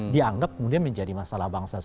dianggap kemudian menjadi masalah bangsa